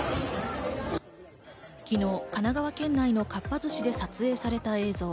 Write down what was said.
昨日、神奈川県内のかっぱ寿司で撮影された映像。